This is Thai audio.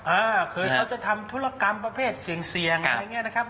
เออเคยเขาจะทำธุรกรรมประเภทเสี่ยงเสี่ยงอะไรอย่างนี้นะครับ